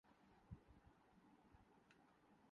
دوسرے والا ملازم عقلمند ہے